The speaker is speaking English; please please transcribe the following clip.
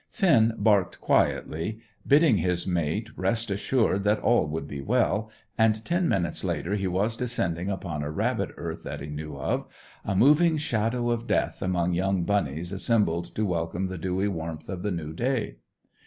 Finn barked quietly, bidding his mate rest assured that all would be well, and ten minutes later he was descending upon a rabbit earth that he knew of, a moving shadow of death among young bunnies assembled to welcome the dewy warmth of the new day.